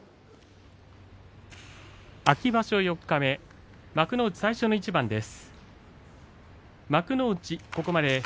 秋場所四日目幕内最初の一番です。